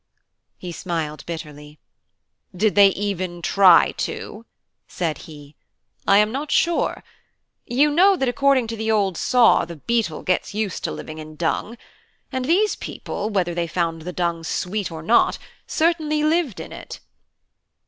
He smiled bitterly. "Did they even try to?" said he. "I am not sure. You know that according to the old saw the beetle gets used to living in dung; and these people, whether they found the dung sweet or not, certainly lived in it."